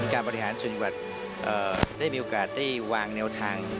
การบริหารส่วนจังหวัดได้มีโอกาสได้วางแนวทาง